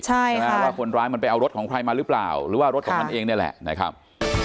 ใช่ไหมว่าคนร้ายมันไปเอารถของใครมาหรือเปล่าหรือว่ารถของมันเองนี่แหละนะครับ